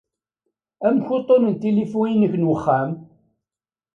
Amek uṭṭun n tilifu-inek n wexxam?